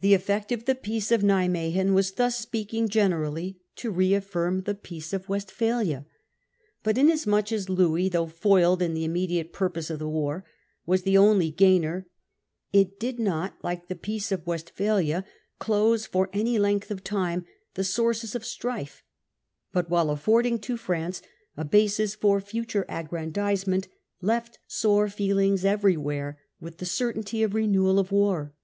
The effect of the Peace of Nimwegen was thus, speaking generally, to reaffirm the Peace of Westphalia. But, inasmuch as Louis — though foiled in the immediate purpose of the war — was the only gainer, it did not, like the Peace of Westphalia, close for any length of time the sources of strife, but, while affording to France a basis for future aggrandisement, left sore feelings everywhere, with the certainty of renewal of war.